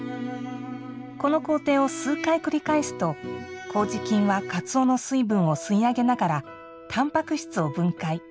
この工程を数回繰り返すとこうじ菌はかつおの水分を吸い上げながらたんぱく質を分解。